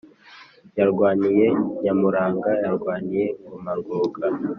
Yarwaniye Nyamurunga:Yarwaniye ingoma Rwoga.